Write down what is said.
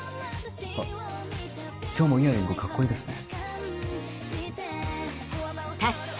あっ今日もイヤリングカッコいいですね。